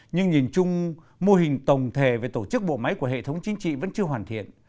nhưng nhìn chung mô hình tổng thể về tổ chức bộ máy của hệ thống chính trị vẫn chưa hoàn thiện